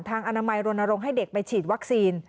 อนามัยรณรงค์ให้เด็กไปฉีดวัคซีน